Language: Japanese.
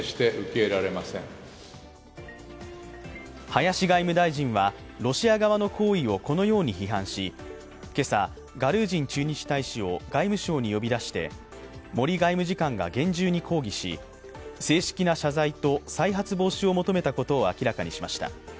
林外務大臣はロシア側の行為をこのように批判し今朝、ガルージン駐日大使を外務省に呼び出して森外務次官が厳重に抗議し正式な謝罪と再発防止を求めたことを明らかにしました。